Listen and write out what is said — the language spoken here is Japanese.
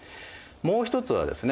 もう一つはですね